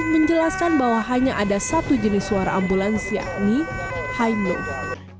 menjelaskan bahwa hanya ada satu jenis suara ambulans yakni high